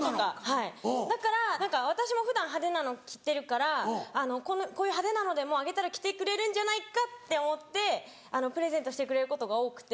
はいだから私も普段派手なの着てるから「こういう派手なのでもあげたら着てくれるんじゃないか」って思ってプレゼントしてくれることが多くて。